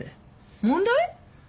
問題？